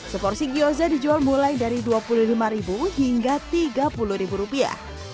seporsi gyoza dijual mulai dari dua puluh lima hingga tiga puluh rupiah